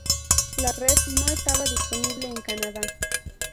La red no estaba disponible en Canadá.